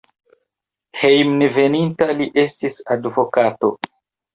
Hejmenveninta li estis advokato.